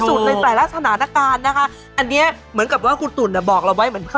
หรือว่าเป็นสถานที่แบบว่าผู้หญิงของเรานะคะ